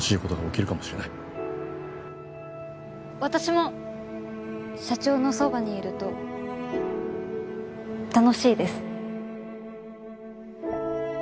私も社長のそばにいると楽しいです。